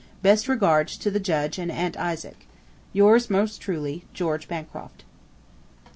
Best regards to the Judge and Aunt Isaac. Yours most truly, GEORGE BANCROFT.